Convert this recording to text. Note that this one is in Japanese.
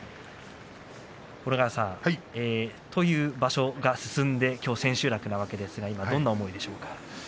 小野川さん、という場所が進んできょう千秋楽のわけですが今どんな思いでしょうか。